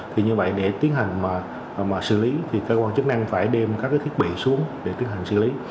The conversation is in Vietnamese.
thì như vậy để tiến hành xử lý cơ quan chức năng phải đem các thiết bị xuống để tiến hành xử lý